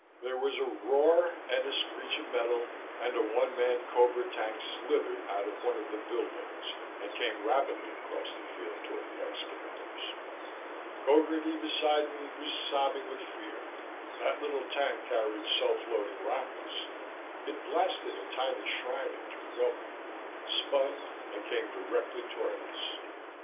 There was a roar and a screech of metal, and a one man cobra tank slithered out of one of the buildings and came rapidly across the field toward the expediters. Gogarty, beside me, was sobbing with fear; that little tank carried self loading rockets. It blasted a tiny shrine into rubble, spun and came directly toward us.